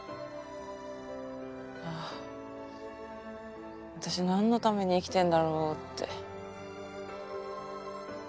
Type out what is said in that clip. ああ私何のために生きてんだろうって。